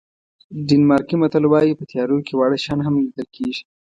ډنمارکي متل وایي په تیارو کې واړه شیان هم لیدل کېږي.